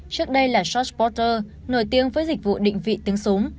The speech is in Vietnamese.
trước đây là george porter nổi tiếng với dịch vụ định vị tướng súng